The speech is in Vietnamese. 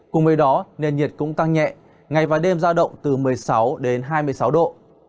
cùng với đó nền nhiệt cũng tăng nhẹ ngày và đêm giao động từ một mươi sáu đến hai mươi sáu độ